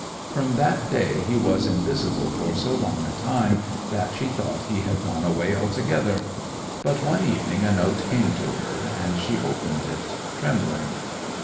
'From that day he was invisible for so long a time that she thought he had gone away altogether. But one evening a note came to her, and she opened it trembling.